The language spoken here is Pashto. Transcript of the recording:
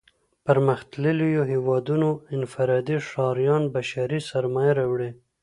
پرمختلليو هېوادونو انفرادي ښاريان بشري سرمايه راوړي.